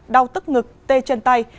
đau tức ngực tê chân tay